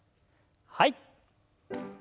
はい。